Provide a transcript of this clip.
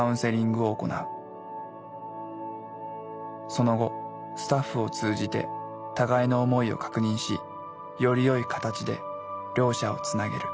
その後スタッフを通じて互いの思いを確認しよりよい形で両者をつなげる。